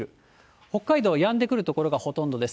北海道、やんでくる所がほとんどです。